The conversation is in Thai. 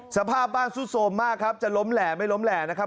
สภาพบ้านซุดโทรมมากครับจะล้มแหล่ไม่ล้มแหล่นะครับ